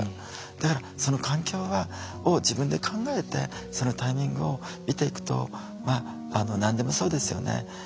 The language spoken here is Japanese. だからその環境を自分で考えてそのタイミングを見ていくと何でもそうですよね